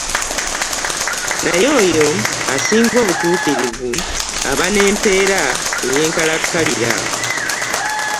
Naye oyo asiga obutuukirivu aba n'empeera ey'enkalakkalira.